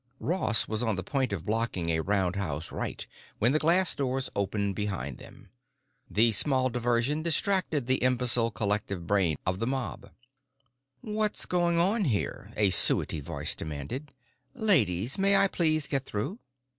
Ross was on the point of blocking a roundhouse right when the glass doors opened behind them. The small diversion distracted the imbecile collective brain of the mob. "What's going on here?" a suety voice demanded. "Ladies, may I please get through?"